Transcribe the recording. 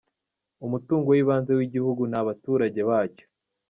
Umutungo w’ibanze w’Igihugu ni Abaturage bacyo.